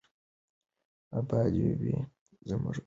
اباد دې وي زموږ ګران هېواد.